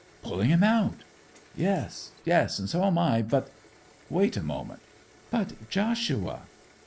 'Pulling him out!' 'Yes, yes—so am I. But—wait a moment—' 'But, Joshua!